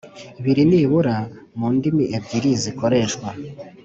Biri nibura mu ndimi ebyiri zikoreshwa